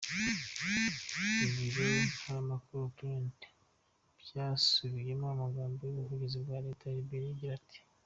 Ibiro ntaramakuru Reuters byasubiyemo amagambo y'umuvugizi wa leta ya Liberia agira ati: .